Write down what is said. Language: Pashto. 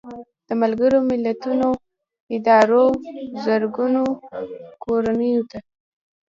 د ملګرو ملتونو ادارو زرګونو کورنیو ته